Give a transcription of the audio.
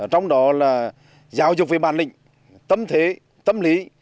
trong đó là giáo dục về bản lĩnh tâm thế tâm lý